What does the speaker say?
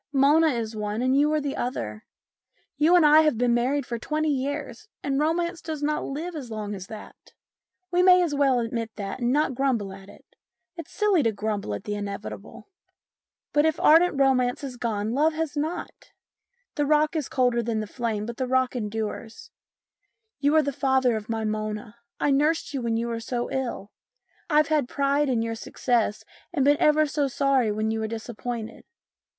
Mona is one, and you are the other. You and I have been married for twenty years, and romance does not live as long as that. We may as well admit that and not grumble at it ; it's silly to grumble at the inevitable. But if ardent romance has gone, love has not. The rock is colder than the flame, but the rock endures. You are the father of my Mona. I nursed you when you were so ill. I've had pride in your success and been ever so sorry when you were disappointed.